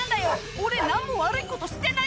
「俺何も悪いことしてないって」